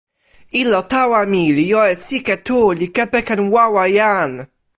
ilo tawa mi li jo e sike tu li kepeken wawa jan.